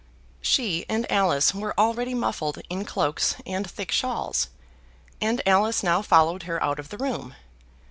She and Alice were already muffled in cloaks and thick shawls, and Alice now followed her out of the room.